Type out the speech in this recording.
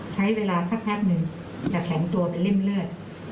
ใช้เวลาสักพักหนึ่งจะแข็งตัวเป็นริ่มเลือด